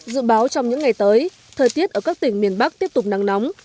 dự báo trong những ngày tới thời tiết ở các tỉnh miền bắc tiếp tục nắng nóng